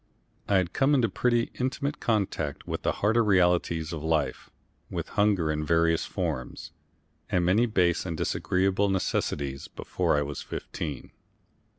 I had come into pretty intimate contact with the harder realities of life, with hunger in various forms, and many base and disagreeable necessities, before I was fifteen.